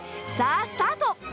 さあスタート！